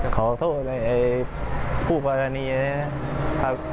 ขอโทษผู้กรณีนะครับ